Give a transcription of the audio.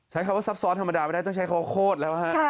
ใช้คำว่าซับซ้อนธรรมดาไม่ได้ต้องใช้คำว่าโคตรแล้วฮะ